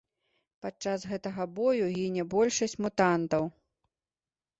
Падчас гэтага бою гіне большасць мутантаў.